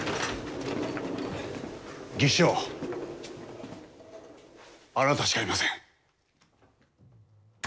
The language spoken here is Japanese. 技師長あなたしかいません。